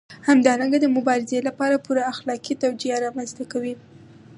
همدارنګه د مبارزې لپاره پوره اخلاقي توجیه رامنځته کوي.